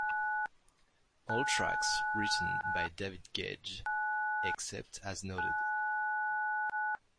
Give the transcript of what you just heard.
All tracks written by David Gedge except as noted.